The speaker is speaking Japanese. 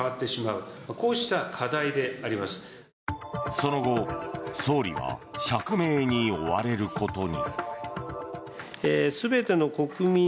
その後、総理は釈明に追われることに。